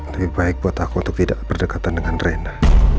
lebih baik buat aku untuk tidak berdekatan dengan renda